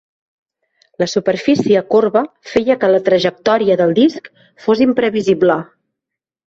La superfície corba feia que la trajectòria del disc fos imprevisible.